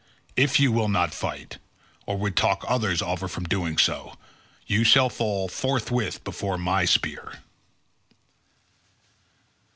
If you will not fight, or would talk others over from doing so, you shall fall forthwith before my spear."